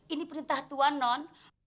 ini perintah tuan non